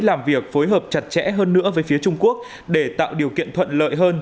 làm việc phối hợp chặt chẽ hơn nữa với phía trung quốc để tạo điều kiện thuận lợi hơn